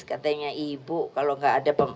katanya ibu kalau nggak ada